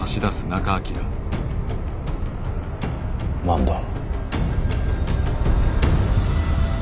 何だ。